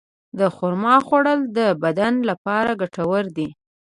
د خرما خوړل د بدن لپاره ګټور دي.